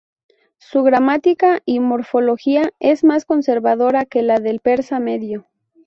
Su gramática y morfología es más conservadora que la del persa medio.